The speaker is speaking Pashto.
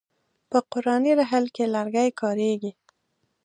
په قرآني رحل کې لرګی کاریږي.